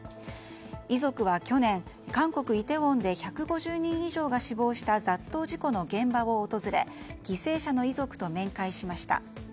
遺族は去年、韓国イテウォンで１５０人以上が死亡した雑踏事故の現場を訪れ犠牲者の遺族と面会しました。